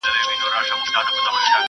ما به شپېلۍ ږغول٫